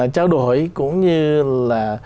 trao đổi cũng như là